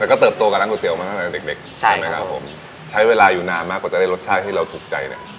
แล้วก็เติบโตกับน้ำก๋วยเตี๋ยวมาก่อนในเด็กใช่ไหมครับผมใช้เวลาอยู่นานมากกว่าจะได้รสชาติที่เราถูกใจเนี้ย